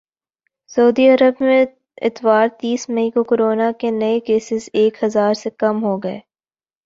سعودی عرب میں اتوار تیس مئی کو کورونا کے نئے کیسز ایک ہزار سے کم ہوگئے